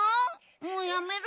もうやめる？